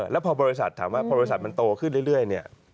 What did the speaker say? แล้วพอบริษัทถามว่าพอบริษัทมันโตขึ้นเรื่อยเนี่ย